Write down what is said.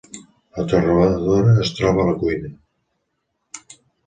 La torradora es troba a la cuina.